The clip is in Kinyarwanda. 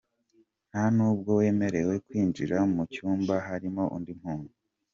Nta nubwo wemerewe kwinjira mu cyumba harimo undi muntu.